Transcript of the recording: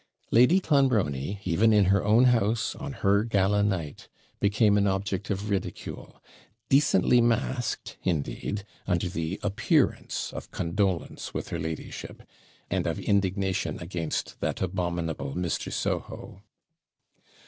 Lady Clonbrony, even in her own house, on her gala night, became an object of ridicule decently masked, indeed, under the appearance of condolence with her ladyship, and of indignation against 'that abominable Mr. Soho!'